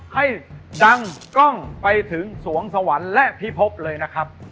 ให้ดังกล้องไปถึงสวงสวรรค์และพิพบเลยนะครับ